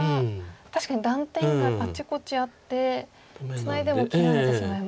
確かに断点があちこちあってツナいでも切られてしまいますか。